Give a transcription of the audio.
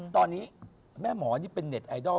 ตอนนี้แม่หมอนี่เป็นเน็ตไอดอล